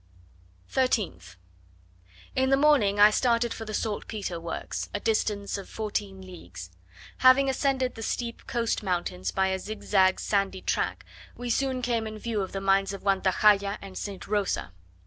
13th. In the morning I started for the saltpetre works, a distance of fourteen leagues. Having ascended the steep coast mountains by a zigzag sandy track, we soon came in view of the mines of Guantajaya and St. Rosa.